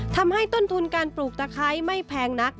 ทำให้ต้นทุนการปลูกตะไคร้ไม่แพงนัก